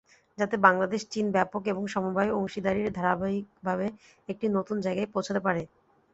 যাতে বাংলাদেশ-চীন ব্যাপক এবং সমবায় অংশীদারির ধারাবাহিকভাবে একটি নতুন জায়গায় পৌঁছাতে পারে।